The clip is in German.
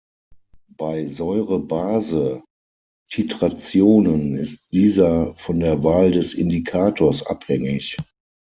Bei Säure-Base-Titrationen ist dieser von der Wahl des Indikators abhängig.